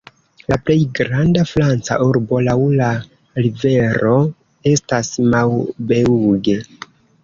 La plej granda franca urbo laŭ la rivero estas Maubeuge.